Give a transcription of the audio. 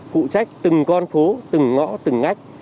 phụ trách từng con phố từng ngõ từng ngách